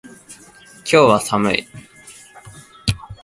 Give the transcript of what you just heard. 今日は寒い。